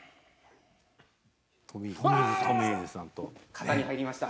「形に入りました」